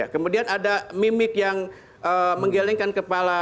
kemudian ada mimik yang menggelengkan kepala